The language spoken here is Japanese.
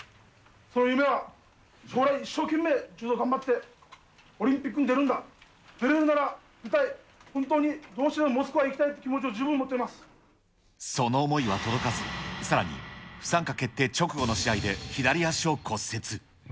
その夢は、将来、一生懸命、柔道を頑張って、オリンピックに出るんだ、出れるなら出たい、本当にどうしてもモスクワに行きたいという気持ちを十分持っていその思いは届かず、さらに、不参加決定直後の試合で左足を骨折。